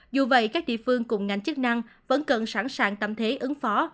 dù vậy các địa phương cùng ngành chức năng vẫn cần sẵn sàng tâm thế ứng phó